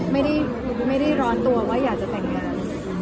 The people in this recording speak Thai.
ไม่ได้ร้อนตัวว่าอยากจะแต่งงาน